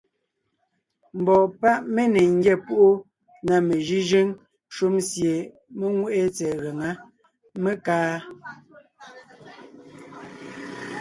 Mbɔɔ páʼ mé ne ńgyá púʼu na mejʉ́jʉ́ŋ shúm sie mé ŋweʼé tsɛ̀ɛ gaŋá, mé kaa.